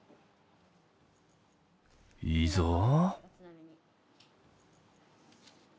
いいぞ。